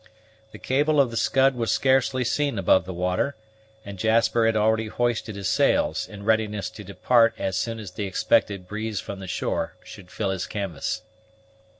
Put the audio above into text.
The cable of the Scud was scarcely seen above the water, and Jasper had already hoisted his sails, in readiness to depart as soon as the expected breeze from the shore should fill the canvas.